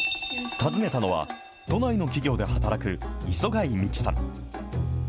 訪ねたのは、都内の企業で働く磯貝美紀さん。